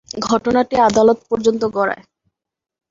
ঘটনাটি আদালত পর্যন্ত গড়ায়।